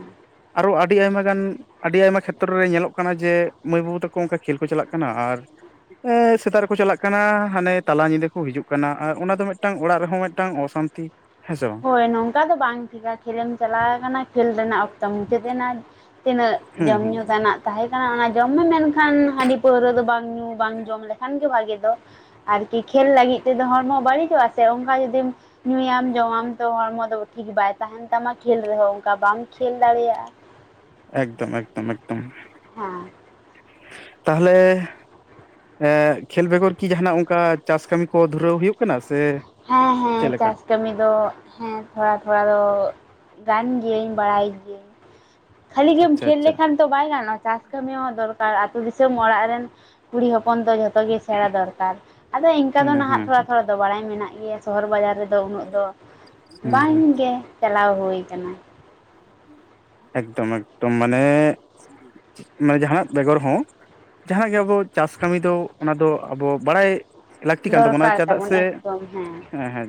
B: ᱟᱨᱚ ᱟᱹᱰᱤ ᱟᱭᱢᱟ ᱜᱟᱱ ᱟᱹᱰᱤ ᱟᱭᱢᱟ ᱠᱷᱮᱛᱨᱚ ᱨᱮ ᱧᱮᱞᱚᱜ ᱠᱟᱱᱟ ᱡᱮ ᱢᱟᱹᱭ ᱵᱟᱹᱵᱩ ᱛᱟᱠᱚ ᱚᱱᱠᱟ ᱠᱷᱮᱞ ᱠᱚ ᱪᱟᱞᱟᱜ ᱠᱟᱱᱟ ᱟᱨ ᱥᱮᱛᱟᱜ ᱨᱮᱠᱚ ᱪᱟᱞᱟᱜ ᱠᱟᱱᱟ ᱦᱟᱱᱮ ᱛᱟᱞᱟ ᱧᱤᱫᱟᱹ ᱠᱚ ᱦᱤᱡᱩᱜ ᱠᱟᱱᱟ ᱟᱨ ᱚᱱᱟ ᱫᱚ ᱢᱮᱫᱴᱟᱝ ᱚᱲᱟᱜ ᱨᱮᱦᱚᱸ ᱢᱮᱫᱴᱟᱝ ᱚᱥᱟᱱᱛᱤ ᱦᱮᱸ ᱥᱮ ᱵᱟᱝ,
A: ᱦᱳᱭ ᱱᱚᱝᱠᱟ ᱫᱚ ᱵᱟᱝ ᱴᱷᱤᱠᱟ ᱠᱷᱮᱞᱮᱢ ᱪᱟᱞᱟᱣ ᱟᱠᱟᱱᱟ ᱠᱷᱮᱞ ᱨᱮᱱᱟᱜ ᱚᱠᱛᱚ ᱢᱩᱪᱟᱹᱫ ᱮᱱᱟ ᱛᱤᱱᱟᱹᱜ
B: ᱦᱩᱸ
A: ᱡᱚᱢ
B: ᱦᱩᱸ
A: ᱧᱩ ᱛᱮᱱᱟᱜ ᱛᱟᱦᱮᱸ ᱠᱟᱱᱟ ᱚᱱᱟ ᱡᱚᱢ ᱢᱮ ᱢᱮᱱᱠᱷᱟᱱ ᱦᱟᱺᱰᱤ ᱯᱟᱹᱣᱨᱟᱹ ᱫᱚ ᱵᱟᱝ ᱧᱩ ᱵᱟᱝ ᱡᱚᱢ ᱞᱮᱠᱷᱟᱱ ᱜᱮ ᱵᱷᱟᱜᱮ ᱫᱚ᱾ ᱟᱨᱠᱤ ᱠᱷᱮᱞ ᱞᱟᱹᱜᱤᱫ ᱛᱮᱫᱚ ᱦᱚᱲᱢᱚ ᱵᱟᱹᱲᱤᱡᱚᱜᱼᱟ ᱥᱮ ᱚᱱᱠᱟ ᱡᱩᱚᱫᱤᱢ ᱧᱩᱭᱟᱢ ᱡᱚᱢᱟᱢ ᱦᱚᱲᱢᱚ ᱫᱚ ᱴᱷᱤᱠ ᱵᱟᱭ ᱛᱟᱦᱮᱱ ᱛᱟᱢᱟ ᱠᱷᱮᱞ ᱨᱮᱦᱚᱸ ᱚᱱᱠᱟ ᱵᱟᱢ ᱠᱷᱮᱞ ᱫᱟᱲᱮᱭᱟᱜᱼᱟ᱾
B: ᱮᱠᱫᱚᱢ ᱮᱠᱫᱚᱢ ᱮᱠᱫᱚᱢ
A: ᱦᱮᱸ
B: ᱛᱟᱦᱞᱮ ᱠᱷᱮᱞ ᱵᱮᱜᱚᱨ ᱠᱤ ᱡᱟᱦᱱᱟᱜ ᱚᱱᱠᱟ ᱪᱟᱥ ᱠᱟᱹᱢᱤ ᱠᱚ ᱫᱷᱩᱨᱟᱹᱣ ᱦᱩᱭᱩᱜ ᱠᱟᱱᱟ ᱥᱮ
A: ᱦᱮᱸ ᱦᱮᱸ
B: ᱪᱮᱫ ᱞᱮᱠᱟ
A: ᱪᱟᱥ ᱠᱟᱹᱢᱤ ᱫᱚ ᱦᱮᱸ ᱛᱷᱚᱲᱟ ᱛᱷᱚᱲᱟ ᱫᱚ ᱜᱟᱱ ᱜᱤᱭᱟᱹᱧ ᱵᱟᱲᱟᱭ ᱜᱤᱭᱟᱹᱧ ᱠᱷᱟᱹᱞᱤ ᱜᱮᱢ
B: ᱟᱪᱪᱷᱟ
A: ᱠᱷᱮᱞ
B: ᱟᱪᱪᱷᱟ
A: ᱞᱮᱠᱷᱟᱱ ᱫᱚ ᱵᱟᱭ ᱜᱟᱱᱚᱜᱼᱟ ᱪᱟᱥ ᱠᱟᱹᱢᱤ ᱦᱚᱸ ᱫᱚᱨᱠᱟᱨ ᱟᱹᱛᱩ ᱫᱤᱥᱚᱢ ᱚᱲᱟᱜ ᱨᱮᱱ ᱠᱩᱲᱤ ᱦᱚᱯᱚᱱ ᱫᱚ ᱡᱚᱛᱚ ᱡᱚᱛᱚ ᱜᱮ ᱥᱮᱬᱟ ᱫᱚᱨᱠᱟᱨ ᱟᱫᱚ ᱤᱱᱠᱟ
B: ᱦᱩᱸ
A: ᱫᱚ ᱱᱟᱦᱟᱜ
B: ᱦᱩᱸ
A: ᱛᱷᱚᱲᱟ ᱛᱷᱚᱲᱟ ᱫᱚ ᱵᱟᱲᱟᱭ ᱢᱮᱱᱟᱜ ᱜᱮᱭᱟ ᱥᱚᱦᱚᱨ ᱵᱟᱡᱟᱨ ᱨᱮᱫᱚ ᱫᱚ ᱩᱱᱟᱹᱜ ᱫᱚ
B: ᱦᱩᱸ
A: ᱵᱟᱝ
B: ᱦᱩᱸ
A: ᱜᱮ ᱪᱟᱞᱟᱣ ᱦᱩᱭ ᱠᱟᱱᱟ᱾
B: ᱮᱠᱫᱚᱢ ᱮᱠᱫᱚᱢ ᱢᱟᱱᱮ ᱢᱟᱱᱮ ᱡᱟᱦᱟᱱᱟᱜ ᱵᱮᱜᱚᱨ ᱦᱚᱸ ᱡᱟᱦᱟᱸ ᱜᱮ ᱟᱵᱚ ᱪᱟᱥ ᱠᱟᱹᱢᱤ ᱫᱚ ᱚᱱᱟ ᱫᱚ ᱟᱵᱚ ᱵᱟᱲᱟᱭ ᱞᱟᱹᱠᱛᱤ ᱠᱟᱱ ᱛᱟᱵᱚᱱᱟ
A: ᱫᱚᱨᱠᱟᱨ
B: ᱪᱮᱫᱟᱜ
A: ᱛᱟᱵᱚᱱ
B: ᱥᱮ
A: ᱮᱠᱫᱚᱢ ᱦᱮᱸ
B: ᱦᱮᱸᱻ ᱦᱮᱸ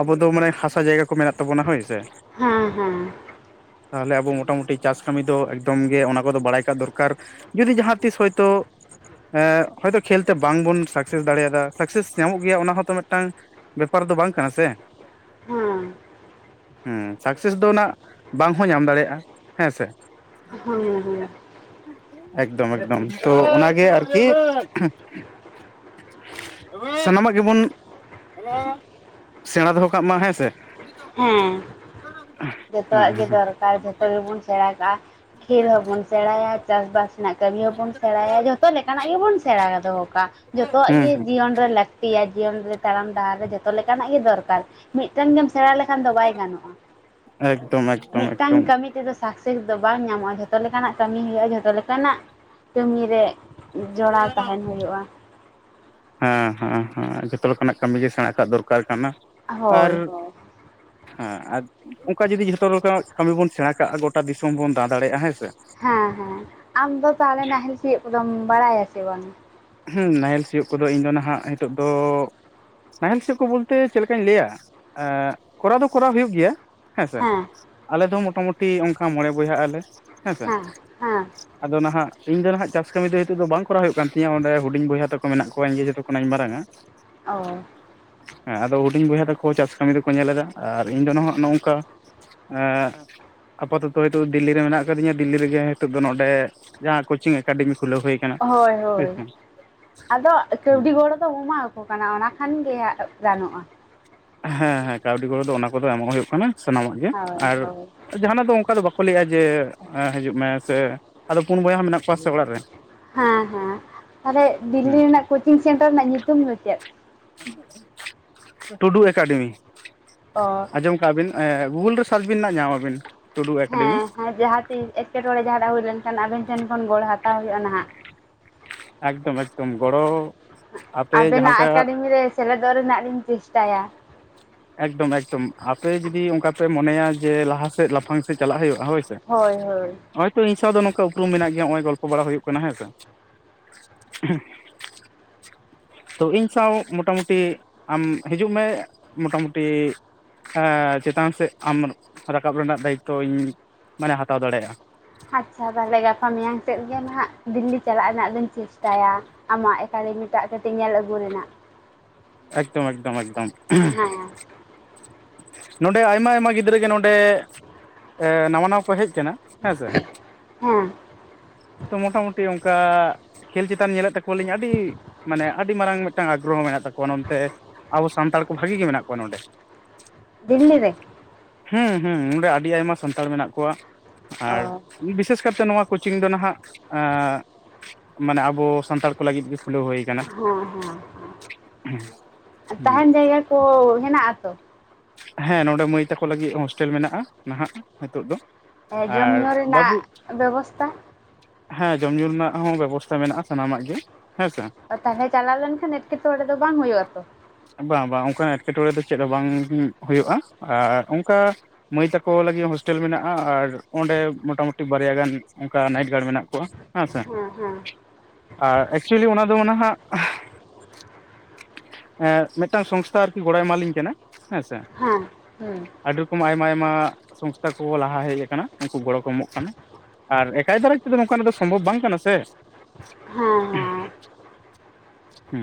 B: ᱟᱵᱚ ᱫᱚ ᱢᱟᱱᱮ ᱦᱟᱥᱟ ᱡᱟᱭᱜᱟ ᱠᱚ ᱢᱮᱱᱟᱜ ᱛᱟᱵᱚᱱᱟ ᱦᱳᱭ ᱥᱮ
A: ᱦᱟᱸ ᱦᱟᱸ
B: ᱛᱟᱦᱚᱞᱮ ᱟᱵᱚ ᱢᱚᱴᱟᱢᱩᱴᱤ ᱪᱟᱥ ᱠᱟᱹᱢᱤ ᱫᱚ ᱮᱠᱫᱚᱢ ᱜᱮ ᱚᱱᱟ ᱠᱚ ᱫᱚ ᱵᱟᱲᱟᱭ ᱠᱟᱜ ᱫᱚᱨᱠᱟᱨ ᱡᱩᱫᱤ ᱡᱟᱦᱟᱸ ᱛᱤᱥ ᱦᱚᱭᱛᱳ ᱦᱮᱸᱼ ᱦᱚᱳᱭᱛᱳ ᱠᱷᱮᱞ ᱛᱮ ᱵᱟᱝᱵᱚᱱ ᱥᱟᱠᱥᱮᱥ ᱫᱟᱲᱮᱭᱟᱫᱟ, ᱥᱟᱠᱥᱮᱥ ᱧᱟᱢᱚᱜ ᱜᱮᱭᱟ ᱚᱱᱟ ᱦᱚᱸᱛᱚ ᱢᱤᱫᱴᱟᱝ ᱵᱮᱯᱟᱨ ᱫᱚ ᱵᱟᱝ ᱠᱟᱱᱟ ᱥᱮ᱾
A: ᱦᱟᱸ
B: ᱦᱮᱸ ᱥᱟᱠᱥᱮᱥ ᱫᱚ ᱱᱟᱜ ᱵᱟᱝ ᱦᱚᱸ ᱧᱟᱢ ᱫᱟᱲᱮᱭᱟᱜᱼᱟ ᱦᱮᱸ ᱥᱮ
A: ᱦᱩᱸ ᱦᱩᱸ
B: ᱮᱠᱫᱚᱢ ᱮᱠᱫᱚᱢ ᱛᱚ ᱚᱱᱟ ᱜᱮ ᱟᱨᱠᱤ ᱥᱟᱱᱟᱢᱟᱜ ᱜᱮᱵᱚᱱ ᱥᱮᱬᱟ ᱫᱚᱦᱚ ᱠᱟᱜ ᱢᱟ ᱦᱮᱸ ᱥᱮ
A: ᱦᱮᱸ ᱡᱚᱛᱚᱣᱟᱜ
B: ᱦᱮᱸ
A: ᱜᱮ
B: ᱦᱮᱸ
A: ᱫᱚᱨᱠᱟᱨ ᱡᱚᱛᱚ ᱜᱮᱵᱚᱱ ᱥᱮᱬᱟ ᱠᱟᱜᱼᱟ ᱠᱷᱮᱞ ᱦᱚᱵᱚᱱ ᱥᱮᱬᱟᱭᱟ ᱪᱟᱥᱼᱵᱟᱥ ᱦᱮᱱᱟᱜ ᱠᱟᱹᱢᱤ ᱦᱚᱸᱵᱚᱱ ᱥᱮᱬᱟᱭᱟ ᱡᱷᱚᱛᱚ ᱞᱮᱠᱟᱱᱟᱜ ᱜᱮᱵᱚᱱ ᱥᱮᱬᱟ ᱫᱚᱦᱚ ᱠᱟᱜᱼᱟ ᱡᱚᱛᱚᱣᱟᱜ ᱜᱮ
B: ᱦᱮᱸ
A: ᱡᱤᱭᱚᱱ ᱨᱮ ᱞᱟᱠ ᱯᱮᱭᱟ ᱡᱤᱭᱚᱱ ᱨᱮ ᱛᱟᱲᱟᱢ ᱰᱟᱦᱟᱨ ᱨᱮ ᱡᱚᱛᱚ ᱞᱮᱠᱟᱱᱟᱜ ᱜᱮ ᱫᱚᱨᱠᱟᱨ ᱢᱤᱫ ᱴᱮᱱ ᱜᱮᱢ ᱥᱮᱬᱟ ᱞᱮᱠᱷᱟᱱ ᱫᱚ ᱵᱟᱭ ᱜᱟᱱᱚᱜᱼᱟ,
B: ᱮᱠᱫᱚᱢ ᱮᱠᱫᱚᱢ ᱮᱠᱫᱚᱢ
A: ᱢᱤᱫᱴᱟᱝ ᱠᱟᱹᱢᱤ ᱛᱮᱫᱚ ᱥᱟᱠᱥᱮᱥ ᱫᱚ ᱵᱟᱝ ᱧᱟᱢᱚᱜᱼᱟ, ᱡᱷᱚᱛᱚ ᱞᱮᱠᱟᱱᱟᱜ ᱠᱟᱹᱢᱤ ᱦᱩᱭᱩᱜᱼᱟ, ᱡᱷᱚᱛᱚ ᱞᱮᱠᱟᱱᱟᱜ ᱠᱟᱹᱢᱤ ᱨᱮ ᱡᱚᱲᱟᱣ ᱛᱟᱦᱮᱱ ᱦᱩᱭᱩᱜᱼᱟ᱾
B: ᱦᱮᱸ ᱦᱮᱸᱼᱦᱮᱸ ᱡᱚᱛᱚ ᱞᱮᱠᱟᱱᱟᱜ ᱠᱟᱹᱢᱤ ᱜᱮ ᱥᱮᱬᱟ ᱟᱠᱟᱫ ᱫᱚᱨᱠᱟᱨ ᱠᱟᱱᱟ ᱟᱨ
A: ᱦᱳᱭ
B: ᱦᱮ ᱟ ᱚᱱᱠᱟ ᱡᱩᱫᱤ ᱡᱷᱚᱛᱚ ᱞᱮᱠᱟᱱᱟᱜ ᱠᱟᱹᱢᱤ ᱵᱚᱱ ᱥᱮᱬᱟ ᱠᱟᱜᱼᱟ ᱜᱚᱴᱟ ᱫᱤᱥᱚᱢ ᱵᱚᱱ ᱫᱟᱲᱟ ᱫᱟᱲᱮᱭᱟᱜᱼᱟ ᱦᱮᱸ ᱥᱮ
A: ᱦᱮᱸ ᱦᱮᱸ ᱟᱢ ᱫᱚ ᱛᱟᱦᱚᱞᱮ ᱱᱟᱦᱮᱞ ᱪᱮᱫ ᱠᱚᱫᱚᱢ ᱵᱟᱲᱟᱭᱟ ᱥᱮ ᱵᱟᱝ?
B: ᱦᱸᱢ ᱱᱟᱦᱮᱞ ᱥᱤᱭᱳᱜ ᱠᱚ ᱫᱚ ᱤᱧ ᱫᱚ ᱱᱟᱦᱟᱜ ᱱᱤᱛᱚᱜ ᱫᱚ ᱱᱟᱦᱮᱞ ᱥᱮᱫ ᱠᱚ ᱵᱚᱞᱛᱮ ᱪᱮᱫ ᱞᱮᱠᱟᱧ ᱞᱟᱹᱭᱟ ᱠᱚᱨᱟᱣ ᱫᱚ ᱠᱚᱨᱟᱣ ᱦᱩᱭᱩᱜ ᱜᱮᱭᱟ᱾ ᱦᱮᱸ ᱥᱮ, ᱟᱞᱮ ᱫᱚ ᱢᱳᱴᱟᱢᱩᱴᱤ ᱚᱱᱠᱟ ᱢᱚᱬᱮ ᱵᱚᱭᱦᱟᱜ ᱟᱞᱮ ᱦᱮᱸ ᱥᱮ ᱟᱫᱚ ᱱᱟᱦᱟᱜ ᱤᱧ ᱫᱚ ᱱᱟᱦᱟᱜ ᱪᱟᱥ ᱠᱟᱹᱢᱤ ᱫᱚ ᱱᱤᱛᱚᱜ ᱫᱚ ᱵᱟᱝ ᱠᱚᱨᱟᱣ ᱦᱩᱭᱩᱜ ᱠᱟᱱ ᱤᱧᱟᱹᱜ ᱚᱸᱰᱮ ᱦᱩᱰᱤᱧ ᱵᱚᱭᱦᱟ ᱛᱟᱠᱚ ᱢᱮᱱᱟᱜ ᱠᱚᱣᱟ ᱤᱧ ᱜᱮ ᱡᱚᱛᱚ ᱠᱷᱚᱱᱟᱜ ᱢᱟᱨᱟᱝᱼᱟ
A: ᱳ
B: ᱦᱮᱸ ᱟᱫᱚ ᱦᱩᱰᱤᱧ ᱵᱚᱭᱦᱟ ᱛᱟᱠᱚ ᱪᱟᱥ ᱠᱟᱹᱢᱤ ᱫᱚᱠᱚ ᱧᱮᱞ ᱮᱫᱟ, ᱟᱨ ᱤᱧ ᱫᱚ ᱱᱟᱦᱟᱜ ᱱᱚᱜ ᱱᱚᱝᱠᱟ ᱮᱸᱸ ᱟᱯᱟᱛᱚᱛᱚ ᱦᱳᱭᱛᱳ ᱫᱤᱞᱞᱤ ᱨᱮ ᱢᱮᱱᱟᱜ ᱟᱠᱟᱫᱤᱧ ᱫᱤᱞᱞᱤ ᱨᱮᱜᱮ ᱱᱤᱛᱚᱜ ᱫᱚ ᱱᱚᱰᱮ ᱡᱟᱦᱟᱸ ᱠᱳᱪᱤᱝ ᱮᱠᱟᱰᱮᱢᱤ ᱠᱷᱩᱞᱟᱹᱣ ᱦᱩᱭ ᱟᱠᱟᱱᱟ᱾
A: ᱦᱳᱭ ᱦᱳᱭ ᱦᱳᱭ ᱟᱫᱚ
B: ᱦᱩᱸ
A: ᱠᱟᱹᱣᱰᱤ ᱜᱚᱲᱚ ᱫᱚ ᱦᱩᱢᱟᱣᱠᱚ ᱠᱟᱱᱟ ᱚᱱᱟ ᱠᱷᱟᱱ ᱜᱮ ᱦᱟᱸᱜ ᱜᱟᱱᱚᱜᱼᱟ᱾
B: ᱦᱮᱸ ᱦᱮᱸ ᱠᱟᱹᱣᱰᱤ ᱜᱚᱲᱚ ᱫᱚ ᱚᱱᱟ ᱠᱚᱫᱚ ᱮᱢᱚᱜ ᱦᱩᱭᱩᱜ ᱠᱟᱱᱟ ᱥᱟᱱᱟᱢᱟᱜ ᱜᱮ
A: ᱦᱳᱭ
B: ᱟᱨ
A: ᱦᱳᱭ
B: ᱡᱟᱦᱟᱸᱱᱟᱜ ᱫᱚ ᱚᱱᱠᱟ ᱫᱚ ᱵᱟ ᱠᱩ ᱞᱟᱹᱭᱼᱟ ᱡᱮ ᱦᱤᱡᱩᱜ ᱢᱮ ᱥᱮ ᱟᱫᱚ ᱯᱩᱱ ᱵᱚᱭᱦᱟ ᱢᱮᱱᱟᱜ ᱠᱚᱣᱟ ᱥᱮ ᱚᱲᱟᱜ ᱨᱮ᱾
A: ᱦᱮᱸ ᱦᱮᱸ ᱛᱟᱦᱚᱞᱮ
B: ᱦᱮᱸ
A: ᱫᱤᱞᱞᱤ ᱨᱮᱱᱟᱜ ᱠᱳᱪᱤᱝ ᱥᱮᱱᱴᱟᱨ ᱨᱮᱱᱟᱜ ᱧᱩᱛᱩᱢ ᱫᱚ ᱪᱮᱫ?
B: [inaudible] ᱴᱩᱰᱩ ᱮᱠᱟᱰᱮᱢᱤ
A: ᱚᱸ
B: ᱟᱸᱡᱚᱢ ᱠᱟᱜᱼᱟ ᱵᱤᱱ ᱮᱸ ᱜᱩᱜᱩᱞ ᱨᱮ ᱥᱟᱨᱪᱚ ᱵᱤᱱ ᱧᱟᱢ ᱟᱵᱤᱱ᱾ ᱴᱩᱰᱩ ᱮᱠᱟᱰᱮᱢᱤ
A: ᱦᱮᱸᱸ ᱡᱟᱦᱟᱸ ᱛᱤᱥ ᱮᱸᱴᱠᱮᱴᱚᱬᱮ ᱡᱟᱦᱟᱸᱴᱟᱜ ᱦᱩᱭ ᱞᱮᱱᱠᱷᱟᱱ ᱟᱵᱤᱱ ᱴᱷᱮᱱ ᱠᱷᱚᱱ ᱜᱚᱲ ᱦᱟᱛᱟᱣ ᱦᱩᱭᱩᱜᱼᱟ ᱱᱟᱦᱟᱜ
B: ᱮᱠᱫᱚᱢ ᱮᱠᱫᱚᱢ ᱜᱚᱲᱚ ᱟᱯᱮ ᱡᱟᱦᱟᱸ
A: ᱟᱵᱮᱱᱟᱜ
B: ᱞᱮᱠᱟ
A: ᱮᱠᱟᱰᱮᱢᱤ ᱨᱮ ᱥᱮᱞᱮᱫᱚᱜ ᱨᱮᱱᱟᱜ ᱞᱤᱧ ᱪᱮᱥᱴᱟᱭᱟ᱾
B: ᱮᱠᱫᱚᱢ ᱮᱠᱫᱚᱢ ᱟᱯᱮ ᱡᱩᱫᱤ ᱚᱱᱠᱟ ᱯᱮ ᱢᱚᱱᱮᱭᱟ ᱡᱮ ᱞᱟᱦᱟ ᱥᱮᱫ ᱞᱟᱯᱷᱟᱝ ᱥᱮᱫ ᱪᱟᱞᱟᱜ ᱦᱩᱭᱩᱜᱼᱟ ᱦᱳᱭ ᱥᱮ ᱦᱳᱭᱛᱚ ᱤᱧ ᱥᱟᱶ ᱫᱚ ᱱᱚᱝᱠᱟ ᱩᱯᱨᱩᱢ ᱢᱮᱱᱟᱜ ᱜᱮᱭᱟ ᱱᱚᱜᱼᱚᱭ ᱜᱚᱞᱯᱚ ᱵᱟᱲᱟ ᱦᱩᱭᱩᱜ ᱠᱟᱱᱟ ᱦᱮᱸ ᱥᱮ [unintelligible] ᱛᱚ ᱤᱧ ᱥᱟᱶ ᱢᱚᱴᱟᱢᱩᱴᱤ ᱟᱢ ᱦᱤᱡᱩᱜ ᱢᱮ ᱢᱚᱴᱟᱢᱩᱴᱤ ᱮ ᱪᱮᱛᱟᱱ ᱥᱮᱫ ᱟᱢ ᱨᱟᱠᱟᱵ ᱨᱮᱱᱟᱜ ᱫᱟᱭᱤᱛᱛᱚ ᱤᱧ ᱢᱟᱱᱮ ᱦᱟᱛᱟᱣ ᱫᱟᱲᱮᱹᱭᱟᱜᱼᱟ᱾
A: ᱟᱪᱪᱷᱟ ᱛᱟᱦᱚᱞᱮ ᱜᱟᱯᱟ ᱢᱮᱭᱟᱝ ᱥᱮᱜ ᱜᱮ ᱱᱟᱦᱟᱜ ᱫᱤᱞᱞᱤ ᱪᱟᱞᱟᱜ ᱨᱮᱱᱟᱜ ᱫᱚᱧ ᱪᱮᱥᱴᱟᱭᱟ᱾ ᱟᱢᱟᱜ ᱮᱠᱟᱰᱮᱢᱤᱴᱟᱜ ᱠᱟᱹᱴᱤᱡ ᱧᱮᱞ ᱟᱹᱜᱩ ᱨᱮᱱᱟᱜ
B: ᱮᱠᱫᱚᱢ ᱮᱠᱫᱚᱢ ᱮᱠᱫᱚᱢ ᱱᱚᱰᱮ ᱟᱭᱢᱟ ᱟᱭᱢᱟ ᱜᱤᱫᱽᱨᱟᱹ ᱜᱮ ᱱᱚᱰᱮ ᱱᱟᱣᱟ ᱱᱟᱣᱟ ᱠᱚ ᱦᱮᱡ ᱠᱟᱱᱟ ᱦᱮᱸᱥᱮ
A: ᱦᱮᱸ ᱦᱮᱸ
B: ᱛᱚ ᱢᱚᱴᱟᱢᱩᱴᱤ ᱚᱱᱠᱟ ᱠᱷᱮᱹᱞ ᱪᱮᱛᱟᱱ ᱧᱮᱞᱮᱫ ᱛᱟᱠᱚᱣᱟᱞᱤᱧ ᱟᱹᱰᱤ ᱢᱟᱱᱮ ᱟᱹᱰᱤ ᱢᱟᱨᱟᱝ ᱢᱤᱫᱴᱟᱝ ᱟᱜᱽᱨᱚᱦᱚ ᱢᱮᱱᱟᱜ ᱛᱟᱠᱚᱣᱟ ᱱᱚᱛᱮ ᱟᱵᱚ ᱥᱟᱱᱛᱟᱲ ᱠᱚ ᱵᱷᱟᱹᱜᱤ ᱜᱮ ᱢᱮᱱᱟᱜ ᱠᱚᱣᱟ ᱱᱚᱸᱰᱮ᱾
A: ᱫᱤᱞᱞᱤ ᱨᱮ
B: ᱦᱩᱸ ᱦᱩᱸ ᱱᱚᱸᱰᱮ ᱟᱹᱰᱤ ᱟᱭᱢᱟ ᱥᱟᱱᱛᱟᱲ ᱢᱮᱱᱟᱜ ᱠᱚᱣᱟ
A: ᱚ
B: ᱟᱨ ᱵᱤᱥᱮᱥ ᱠᱟᱨᱛᱮ ᱱᱚᱣᱟ ᱠᱳᱪᱤᱝ ᱫᱚ ᱱᱟᱦᱟᱜ ᱟᱼ ᱢᱟᱱᱮ ᱟᱵᱚ ᱥᱟᱱᱛᱟᱲ ᱠᱚ ᱞᱟᱹᱜᱤᱫ ᱜᱮ ᱠᱷᱩᱞᱟᱹᱣ ᱦᱩᱭ ᱟᱠᱟᱱᱟ᱾
A: ᱦᱮᱸ ᱦᱮᱸᱦᱮᱸ ᱛᱟᱦᱮᱸᱱ ᱡᱟᱭᱜᱟ ᱠᱚ ᱦᱮᱱᱟᱜ ᱟ ᱛᱚ?
B: ᱦᱮᱸ ᱱᱚᱰᱮ ᱢᱟᱹᱭ ᱛᱟᱠᱚ ᱞᱟᱹᱜᱤᱫ ᱦᱳᱥᱴᱮᱞ ᱢᱮᱱᱟᱜᱼᱟ ᱱᱟᱦᱟᱜ ᱱᱤᱛᱚᱜ ᱫᱚ᱾
A: ᱡᱚᱢ
B: ᱟᱨ
A: ᱧᱩ ᱨᱮᱱᱟᱜ
B: ᱵᱟᱹᱵᱩ
A: ᱵᱮᱵᱚᱥᱛᱟ?
B: ᱦᱮᱸ ᱡᱚᱢ ᱧᱩ ᱨᱮᱱᱟᱜ ᱦᱚᱸ ᱵᱮᱵᱚᱥᱛᱟ ᱢᱮᱱᱟᱜᱼᱟ ᱥᱟᱱᱟᱢᱟᱜ ᱜᱮ ᱦᱮᱸᱥᱮ᱾
A: ᱛᱟᱦᱚᱞᱮ ᱪᱟᱞᱟᱣ ᱞᱮᱱᱠᱷᱟᱱ ᱮᱴᱠᱮᱴᱚᱬᱮ ᱚᱸᱰᱮ ᱫᱚ ᱵᱟᱝ ᱦᱩᱭᱩᱜ ᱟᱛᱚ?
B: ᱵᱟᱝ ᱵᱟᱝ ᱚᱱᱠᱟ ᱮᱴᱠᱮᱴᱚᱬᱮ ᱫᱚ ᱪᱮᱫ ᱦᱚᱸ ᱵᱟᱝ ᱦᱩᱭᱩᱜᱼᱟ᱾ ᱟᱨ ᱚᱝᱠᱟ ᱢᱟᱹᱭ ᱛᱟᱠᱚ ᱞᱟᱹᱜᱤᱫ ᱦᱳᱥᱴᱮᱞ ᱢᱮᱱᱟᱜᱼᱟ᱾ ᱟᱨ ᱚᱸᱰᱮ ᱢᱚᱴᱟᱢᱩᱴᱤ ᱵᱟᱨᱭᱟ ᱜᱟᱱ ᱚᱱᱠᱟ ᱱᱟᱭᱤᱴ ᱜᱟᱨᱰ ᱢᱮᱱᱟᱜ ᱠᱚᱣᱟ᱾ ᱦᱮᱸ ᱥᱮ ᱟᱨ ᱮᱠᱪᱩᱭᱮᱞᱤ ᱚᱱᱟ ᱫᱚ ᱦᱟᱸᱜ ᱮ ᱢᱤᱫᱴᱟᱝ ᱥᱚᱝᱥᱛᱷᱟ ᱟᱨᱠᱤ ᱜᱚᱲᱚᱭ ᱮᱢᱟᱞᱤᱧ ᱠᱟᱱᱟ ᱦᱮᱸ ᱥᱮ᱾
A: ᱦᱮᱸ ᱦᱩᱸ
B: ᱟᱹᱰᱤ ᱨᱚᱠᱚᱢ ᱟᱭᱢᱟ ᱟᱭᱢᱟ ᱥᱚᱝᱥᱛᱷᱟ ᱠᱚ ᱞᱟᱦᱟ ᱦᱮᱡ ᱟᱠᱟᱱᱟ ᱩᱱᱠᱩ ᱜᱚᱲᱚ ᱠᱚ ᱮᱢᱚᱜ ᱠᱟᱱᱟ᱾ ᱟᱨ ᱮᱠᱟᱭ ᱫᱷᱟᱨᱮ ᱛᱮᱫᱚ ᱱᱚᱝᱠᱟᱱᱟᱜ ᱫᱚ ᱥᱚᱢᱵᱷᱚᱵ ᱵᱟᱝ ᱠᱟᱱᱟ ᱥᱮ᱾
A: ᱦᱮᱸ ᱦᱮᱸ
B: ᱦᱩᱸ